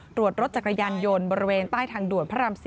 ตรวจรถจักรยานยนต์บริเวณใต้ทางด่วนพระราม๔